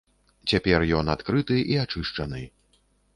Цяпер ён адкрыты і ачышчаны.